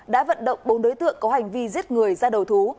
đã vận động bốn đối tượng có hành vi giết người ra đầu thú